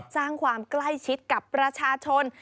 สร้างความใกล้ชิดกับประชาชน